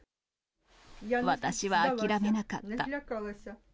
私は諦めなかった。